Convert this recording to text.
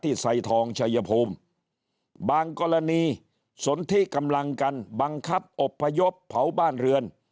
ไซทองชายภูมิบางกรณีสนที่กำลังกันบังคับอบพยพเผาบ้านเรือน